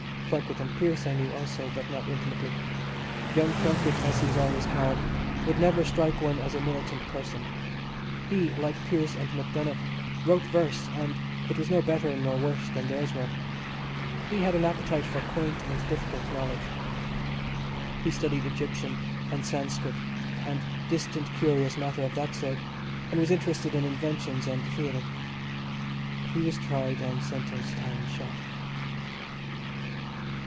Plunkett and Pearse I knew also, but not intimately. Young Plunkett, as he was always called, would never strike one as a militant person. He, like Pearse and MacDonagh, wrote verse, and it was no better nor worse than their's were. He had an appetite for quaint and difficult knowledge. He studied Egyptian and Sanscrit, and distant curious matter of that sort, and was interested in inventions and the theatre. He was tried and sentenced and shot.